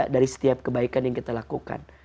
dari setiap kebaikan yang kita lakukan